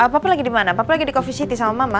papa lagi di mana papa lagi di coffeesity sama mama